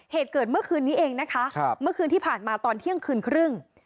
เหตุเกิดเมื่อคืนนี้เองนะคะเมื่อคืนที่ผ่านมาตอนเที่ยงคืนครึ่ง